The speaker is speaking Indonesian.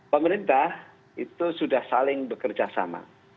pemerintah itu sudah saling bekerja sama